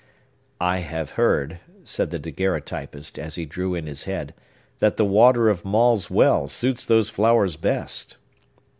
"I have heard," said the daguerreotypist, as he drew in his head, "that the water of Maule's well suits those flowers best."